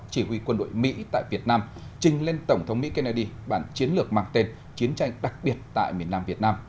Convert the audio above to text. chỉ huy quân đội mỹ tại việt nam trình lên tổng thống mỹ kennedy bản chiến lược mang tên chiến tranh đặc biệt tại miền nam việt nam